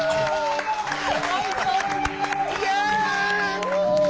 すごいや。